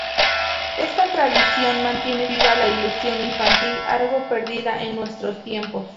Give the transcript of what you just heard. Esta tradición mantiene viva la ilusión infantil, algo perdida en nuestros tiempos.